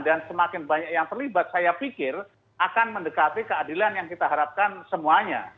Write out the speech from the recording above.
dan semakin banyak yang terlibat saya pikir akan mendekati keadilan yang kita harapkan semuanya